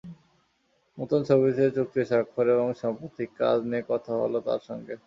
নতুন ছবিতে চুক্তি স্বাক্ষর এবং সাম্প্রতিক কাজ নিয়ে কথা হলো তাঁর সঙ্গে।